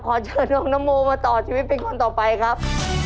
ขอเชิญน้องนโมมาต่อชีวิตเป็นคนต่อไปครับ